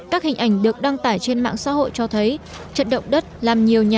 các hình ảnh được đăng tải trên mạng xã hội cho thấy trận động đất làm nhiều nhà